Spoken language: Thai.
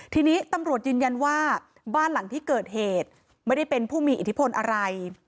ทีนี้ตำรวจยืนยันว่าบ้านหลังที่เกิดเหตุไม่ได้เป็นผู้มีอิทธิพลอะไร